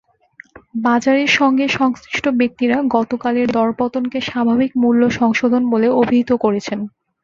বাজারের সঙ্গে সংশ্লিষ্ট ব্যক্তিরা গতকালের দরপতনকে স্বাভাবিক মূল্য সংশোধন বলে অভিহিত করেছেন।